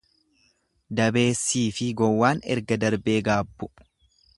Dabeessiifi gowwaan erga darbee gaabbu.